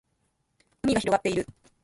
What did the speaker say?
海が広がっている